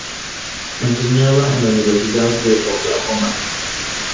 Enseñaba en la Universidad de Oklahoma.